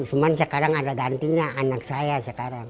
cuman sekarang ada gantinya anak saya sekarang